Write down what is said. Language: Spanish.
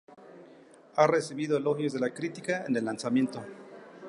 Ha recibido elogios de la crítica en el lanzamiento.